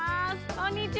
こんにちは。